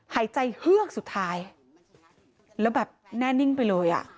หายใจเฮือกสุดท้ายแล้วแบบแน่นิ่งไปเลยอ่ะ